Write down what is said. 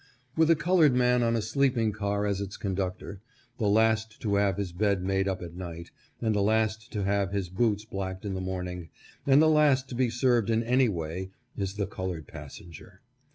With a colored man on a sleeping car as its conductor, the last to have his bed made up at night, and the last to have his boots blacked in the morning, and the last to be served in any way, is the colored passenger.